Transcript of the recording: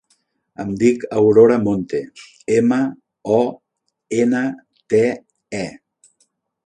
Em dic Aurora Monte: ema, o, ena, te, e.